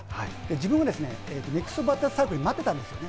自分もネクストバッターズサークルに待ってたんですよ。